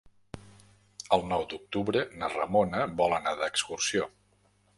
El nou d'octubre na Ramona vol anar d'excursió.